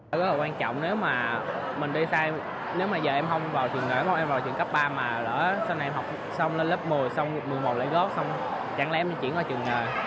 rất là quan trọng nếu mà mình đi sai nếu mà giờ em không vào trường nghề không em vào trường cấp ba mà lỡ sau này em học xong lên lớp một mươi xong một mươi một lấy góp xong chẳng lẽ em đi chuyển vào trường nghề